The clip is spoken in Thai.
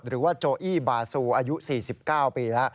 หรือว่าจับโจอี้บาซูอายุ๔๙ปีแล้ว